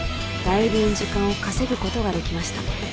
「だいぶん時間を稼ぐことができました」